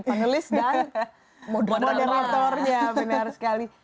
panelis dan moderatornya